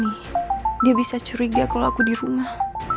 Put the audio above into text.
kita abis ini langsung pulang aja ya gue tunggu di bawah